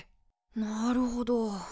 なるほど。